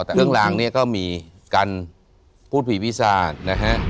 เครื่องรางเนี่ยก็มีกันพูดผิดพิทธิ์วิทยาศาสตร์นะฮะ